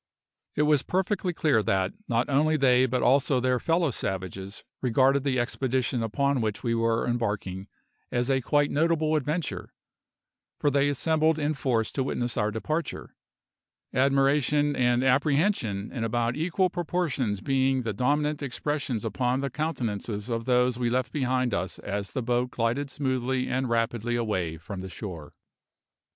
It was perfectly clear that not only they but also their fellow savages regarded the expedition upon which we were embarking as a quite notable adventure, for they assembled in force to witness our departure, admiration and apprehension in about equal proportions being the dominant expressions upon the countenances of those we left behind us as the boat glided smoothly and rapidly away from the shore.